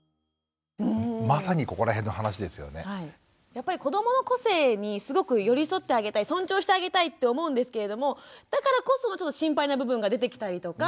やっぱり子どもの個性にすごく寄り添ってあげたい尊重してあげたいって思うんですけれどもだからこそちょっと心配な部分が出てきたりとか。